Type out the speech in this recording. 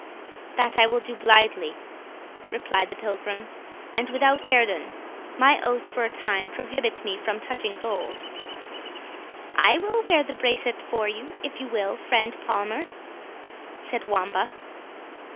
"That will I do blithely," replied the Pilgrim, "and without guerdon; my oath, for a time, prohibits me from touching gold." "I will wear the bracelet for you, if you will, friend Palmer," said Wamba.